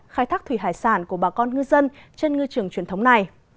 khai thác thủy hải sản của bà con ngư dân trên ngư trường truyền thống này